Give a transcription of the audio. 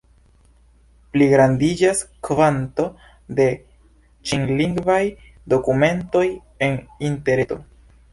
Pligrandiĝas kvanto de ĉinlingvaj dokumentoj en Interreto.